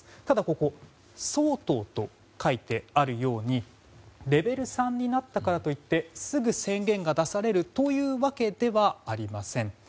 ただ、相当と書いてあるようにレベル３になったからといってすぐ宣言が出されるというわけではありません。